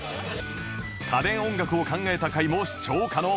家電音楽を考えた回も視聴可能